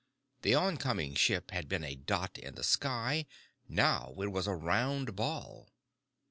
] The oncoming ship had been a dot in the sky. Now it was a round ball.